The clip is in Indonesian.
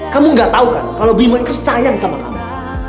kamu gak tau kan kalau bimo itu sayang sama kamu